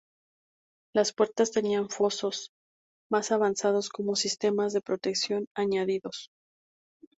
Las puertas tenían fosos más avanzados como sistemas de protección añadidos.